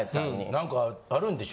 何かあるんでしょ？